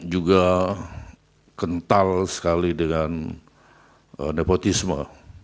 juga kental sekali dengan nepotisme